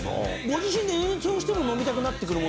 ご自身で演奏しても飲みたくなってくるもの？